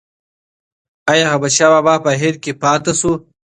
ایا احمدشاه بابا په هند کې پاتې شو؟